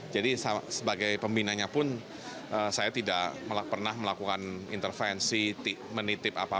jadi sebagai pembinanya pun saya tidak pernah melakukan intervensi menitip